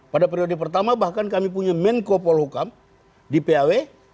pada periode pertama bahkan kami punya menko polhukam di paw